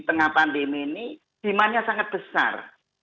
tengah pandemi ini simannya sangat besar